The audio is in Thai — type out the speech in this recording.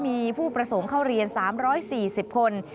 มีผู้ประสงค์เข้าเรียน๓๔๐คน